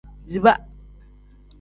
Ziba.